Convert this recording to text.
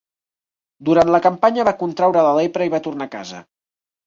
Durant la campanya va contraure la lepra i va tornar a casa.